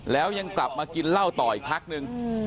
แล้วยังกลับมากินเหล้าต่ออีกพักนึง